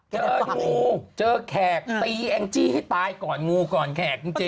เจองูเจอแขกตีแองจี้ให้ตายก่อนงูก่อนแขกจริง